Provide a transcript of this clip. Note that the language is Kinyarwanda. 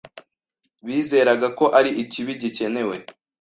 Bizeraga ko ari ikibi gikenewe.